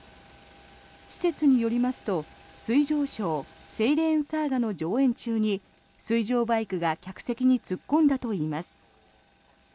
施設によりますと、水上ショーセイレーン・サーガの上演中に水上バイクが客席に突っ込んだといいます。